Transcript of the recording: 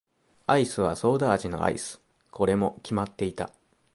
アイスはソーダ味のアイス。これも決まっていた。